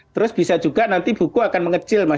terus bisa juga nanti buku akan mengecil mas